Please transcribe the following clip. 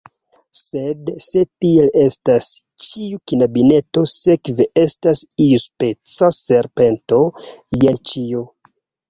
Sed, se tiel estas, ĉiu knabineto sekve estas iuspeca serpento. Jen ĉio!